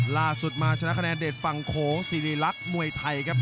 ล่าสุดมาชนะคะแนนเด็ดฝั่งโขงสิริรักษ์มวยไทยครับ